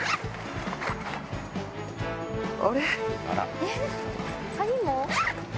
あれ？